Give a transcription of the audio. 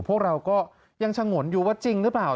พวกเราก็ยังฉงนอยู่ว่าจริงหรือเปล่า